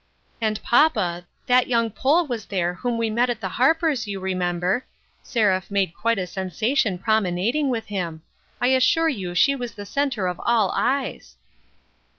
"And, papa, that young Pole was there whom we met at the Harpers, you remember. Seraph made quite a sensation promenading with him. I assure you she was the center of all eyes."